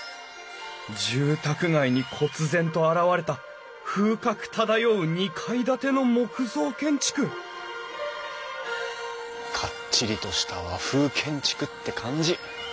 住宅街にこつ然と現れた風格漂う２階建ての木造建築かっちりとした和風建築って感じ。